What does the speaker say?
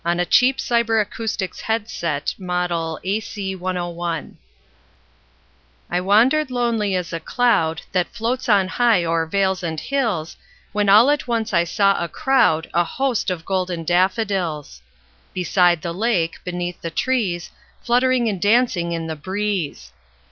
William Wordsworth I Wandered Lonely As a Cloud I WANDERED lonely as a cloud That floats on high o'er vales and hills, When all at once I saw a crowd, A host, of golden daffodils; Beside the lake, beneath the trees, Fluttering and dancing in the breeze.